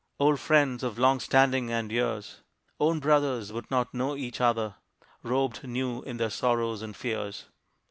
Old friends of long standing and years Own brothers would not know each other, Robed new in their sorrows and fears.